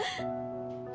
あ。